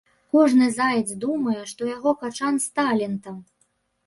Кожны заяц думае, што яго качан з талентам.